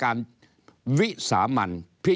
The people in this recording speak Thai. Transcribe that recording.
ก็จะมาจับทำเป็นพรบงบประมาณ